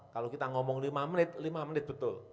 kalau kita ngomong lima menit lima menit betul